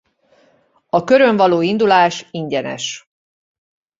A Körön való indulás ingyenes.